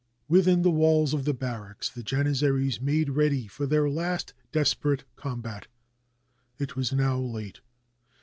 Within the walls of the barracks the Janizaries made ready for their last desperate combat. It was now late.